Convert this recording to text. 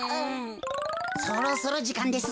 そろそろじかんですぞ。